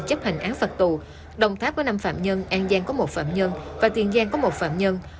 chấp hành án phạt tù đồng tháp có năm phạm nhân an giang có một phạm nhân và tiền giang có một phạm nhân